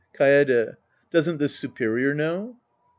Kaede. Doesn't the superior know